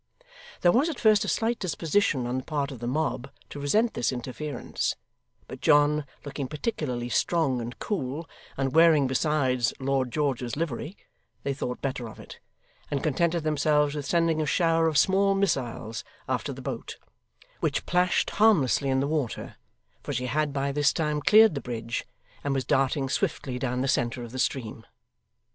There was at first a slight disposition on the part of the mob to resent this interference; but John looking particularly strong and cool, and wearing besides Lord George's livery, they thought better of it, and contented themselves with sending a shower of small missiles after the boat, which plashed harmlessly in the water; for she had by this time cleared the bridge, and was darting swiftly down the centre of the stream.